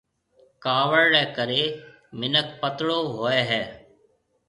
ڪاوڙ ريَ ڪريَ مِنک پترو هوئي هيَ۔